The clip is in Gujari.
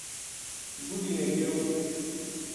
بُڈھی نے کہیو